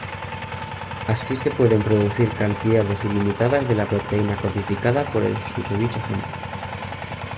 Así se pueden producir cantidades ilimitadas de la proteína codificada por el susodicho gen.